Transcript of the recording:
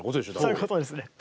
そういうことですね。